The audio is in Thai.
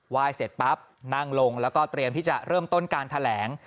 ยเสร็จปั๊บนั่งลงแล้วก็เตรียมที่จะเริ่มต้นการแถลง